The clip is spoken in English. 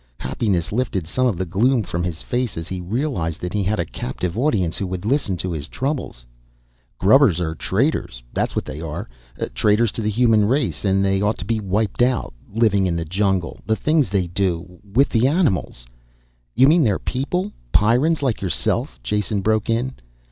Happiness lifted some of the gloom from his face as he realized that he had a captive audience who would listen to his troubles. "Grubbers are traitors that's what they are. Traitors to the human race and they ought to be wiped out. Living in the jungle. The things they do with the animals " "You mean they're people ... Pyrrans like yourself?" Jason broke in.